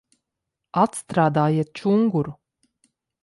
Atstrādājiet čunguru!